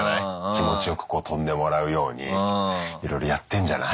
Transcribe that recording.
気持ちよく飛んでもらうようにいろいろやってんじゃない？